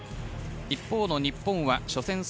一方の日本は初戦